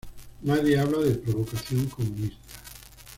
Nadie habla de provocación comunista.